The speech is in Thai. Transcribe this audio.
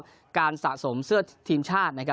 ที่ชื่นชอบการสะสมถ้าเป็นการสะสมเสื้อทีมชาติ